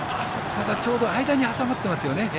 ただ、ちょうど間に挟まってますよね。